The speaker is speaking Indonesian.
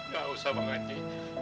gak usah bang haji